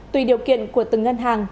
tùy điều kiện của từng ngân hàng